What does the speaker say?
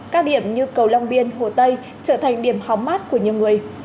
các điểm như cầu long biên hồ tây trở thành điểm hóm mát của nhiều người